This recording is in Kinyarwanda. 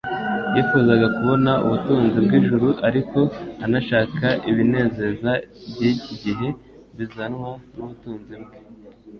Yifuzaga kubona ubutunzi bw'ijuru, ariko anashaka ibinezeza by'iki gihe bizanwa n'ubutunzi bwe.